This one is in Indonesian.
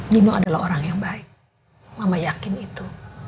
bimo adalah orang yang baik mama yakin itu